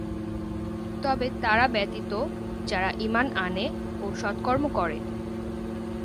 তবে তারা ব্যতীত যারা ঈমান আনে ও সৎকর্ম করে।